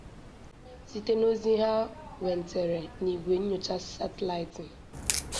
site n'ozi ha nwentere n'igwe nnyocha satalaịtị